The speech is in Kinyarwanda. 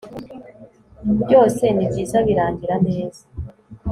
byose nibyiza birangira neza